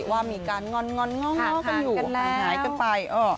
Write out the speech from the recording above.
ว่ามีการงอนง้อกันอยู่หายกันไป